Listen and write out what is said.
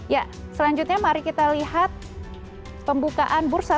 ya selanjutnya mari kita lihat pembukaan bursa